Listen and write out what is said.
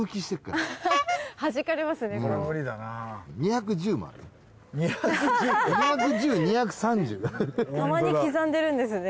たまに刻んでるんですね。